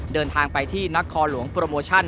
เดินทางไปที่นครหลวงโปรโมชั่น